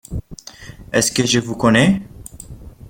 Est-ce que je vous connais ?